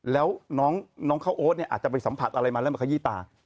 แล้วน้องข้าวโอ๊ตเนี่ยอาจจะไปสัมผัสอะไรมาแล้วมาขยี้ตา